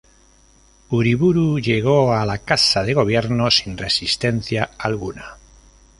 Uriburu llegó a la casa de Gobierno sin resistencia alguna.